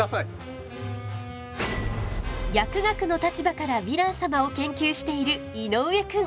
薬学の立場からヴィラン様を研究している井之上くん。